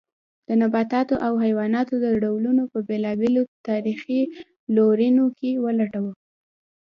د نباتاتو او حیواناتو د ډولونو په بېلابېلو تاریخي لورینو کې ولټوو.